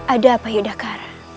ada apa yudhakara